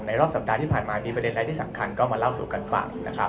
รอบสัปดาห์ที่ผ่านมามีประเด็นอะไรที่สำคัญก็มาเล่าสู่กันฟังนะครับ